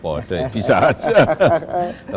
yang diberi kesempatan